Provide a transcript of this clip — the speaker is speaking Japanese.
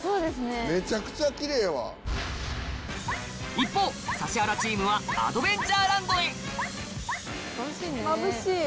一方指原チームはアドベンチャーランドへまぶしいね。